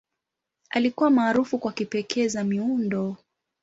Alikuwa maarufu kwa kipekee za miundo.